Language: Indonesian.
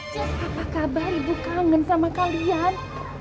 cez apa kabar ibu kangen sama kalian